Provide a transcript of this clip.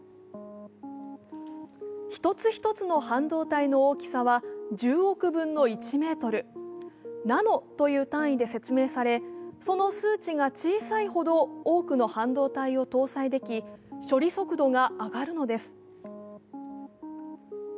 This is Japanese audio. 一つ一つの半導体の大きさは１０億分の１ｍ、ナノという単位で説明され、その数値が小さいほど、多くの半導体を搭載でき、処理速度が上がるのです。